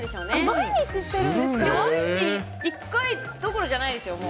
毎日１回どころじゃないですよ。